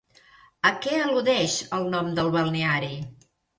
A què al·ludeix el nom del balneari?